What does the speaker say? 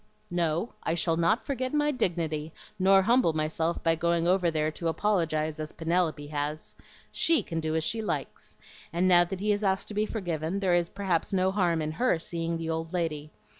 "No, I shall not forget my dignity nor humble myself by going over there to apologize as Penelope has. SHE can do as she likes; and now that he has asked to be forgiven, there is perhaps no harm in HER seeing the old lady.